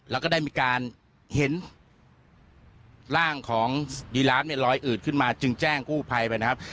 แล้วก็ได้มีการเห็นร่างของยีราฟเนี่ยลอยอืดขึ้นมาจึงแจ้งกู้ภัยไปนะครับ